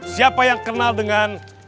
siapa yang kenal dengan